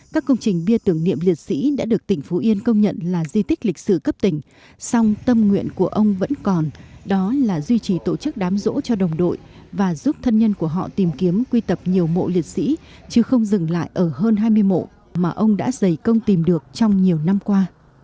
các công trình bia tưởng niệm liệt sĩ đã được tỉnh phú yên công nhận là di tích lịch sử cấp tỉnh song tâm nguyện của ông vẫn còn đó là duy trì tổ chức đám rỗ cho đồng đội và giúp thân nhân của họ tìm kiếm quy tập nhiều mộ liệt sĩ chứ không dừng lại ở hơn hai mươi mộ mà ông đã dày công tìm được trong nhiều năm qua